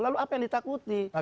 lalu apa yang ditakuti